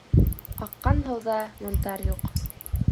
Аҡҡан һыуҙа монтар юҡ.